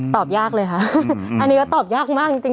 ตอบยากเลยค่ะอันนี้ก็ตอบยากมากจริง